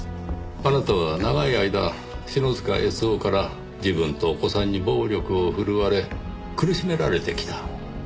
あなたは長い間篠塚悦雄から自分とお子さんに暴力を振るわれ苦しめられてきた。